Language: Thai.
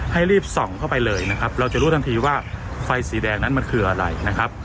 ให้รีบส่องเข้าไปเลยนะครับเราจะรู้ทันทีว่าไฟสีแดงนั้นมันคืออะไรนะครับ